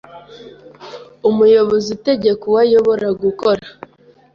Umuyobozi utegeka uwo ayobora gukora